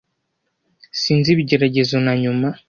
Sinzi ibigeragezo na nyuma,